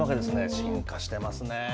進化してますね。